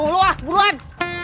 lu ah buruan